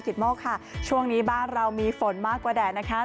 โมกค่ะช่วงนี้บ้านเรามีฝนมากกว่าแดดนะคะ